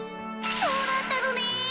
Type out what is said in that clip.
そうだったのね！